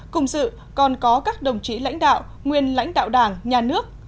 cùng dự còn có các đồng chí lãnh đạo nguyên lãnh đạo đảng nhà nước